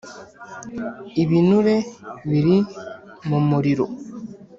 ibinure biri mu muriro.